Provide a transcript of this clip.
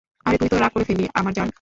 আরে তুই তো রাগ করে ফেললি, আমার জান?